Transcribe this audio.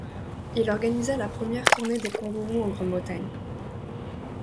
Il organisa la première tournée des Kangourous en Grande-Bretagne.